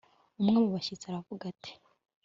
umwe mu bashyitsi aravuga ati